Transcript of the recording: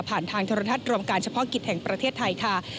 ทางโทรทัศน์รวมการเฉพาะกิจแห่งประเทศไทยค่ะ